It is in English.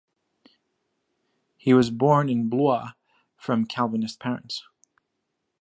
He was born in Blois, from Calvinist parents.